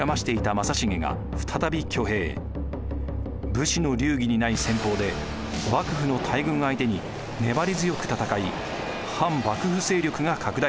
武士の流儀にない戦法で幕府の大軍相手に粘り強く戦い反幕府勢力が拡大します。